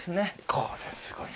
これすごい。